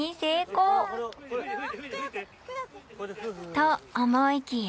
と思いきや？